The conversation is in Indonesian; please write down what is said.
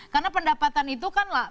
karena pendapatan itu kan lah